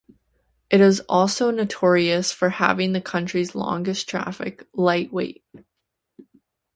It is also notorious for having the country's longest traffic light wait.